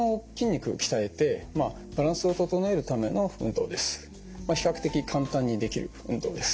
これは比較的簡単にできる運動です。